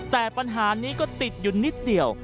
แต่ปัญหานี้ก็ติดอยู่นิดเดียว